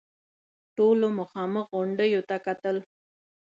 ټولو مخامخ غونډيو ته کتل.